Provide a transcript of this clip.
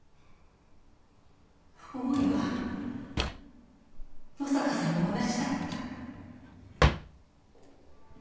思いは野坂さんも同じだった。